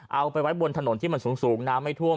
เอาไปไว้บนถนนที่มันสูงน้ำไม่ท่วม